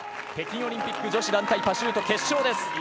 北京オリンピック女子団体パシュート決勝です。